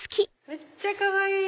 めっちゃかわいい。